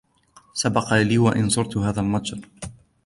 سبق لي و أن زرت هذا المتجر.